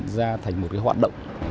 ra thành một cái sản phẩm